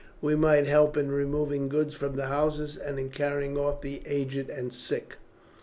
"We might help in removing goods from the houses, and in carrying off the aged and sick."